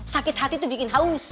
sakit hati itu bikin haus